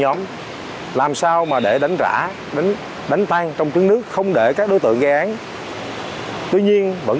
đá làm sao mà để đánh rã đánh tan trong chứng nước không để các đối tượng gây án tuy nhiên vẫn